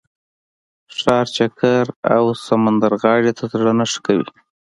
ښار چکر او سمندرغاړې ته زړه نه ښه کوي.